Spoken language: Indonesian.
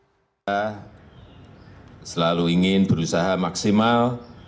kita selalu ingin berusaha maksimal